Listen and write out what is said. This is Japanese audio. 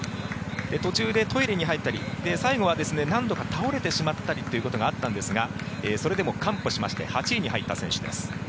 途中でトイレに入ったり最後は何度か倒れてしまったりということがあったんですがそれでも完歩しまして８位に入った選手です。